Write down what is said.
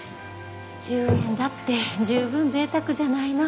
１０円だって十分贅沢じゃないの。